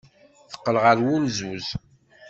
Teqqel ɣer wulzuz.